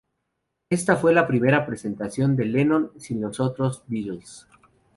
Esta fue la primera presentación de Lennon sin los otros Beatles.